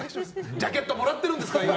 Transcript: ジャケットもらってるんですから。